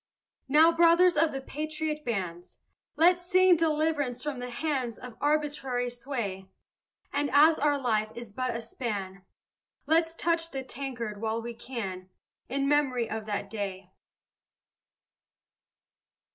Now, brothers of the patriot bands, Let's sing deliverance from the hands Of arbitrary sway. And as our life is but a span, Let's touch the tankard while we can, In memory of that day.